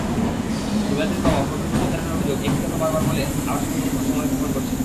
হিমাদ্রীর বাবা প্রবীর মজুমদারের অভিযোগ, একই কথা বারবার বলে আসামিপক্ষ সময়ক্ষেপণ করছে।